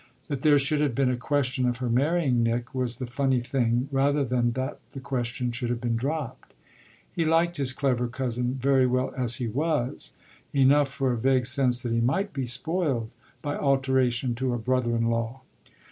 That there should have been a question of her marrying Nick was the funny thing rather than that the question should have been dropped. He liked his clever cousin very well as he was enough for a vague sense that he might be spoiled by alteration to a brother in law.